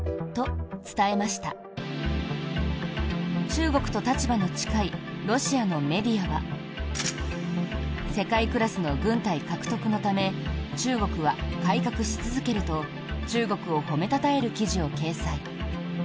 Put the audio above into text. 中国と立場の近いロシアのメディアは世界クラスの軍隊獲得のため中国は改革し続けると中国を褒めたたえる記事を掲載。